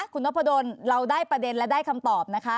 คุณนพดลเราได้ประเด็นและได้คำตอบนะคะ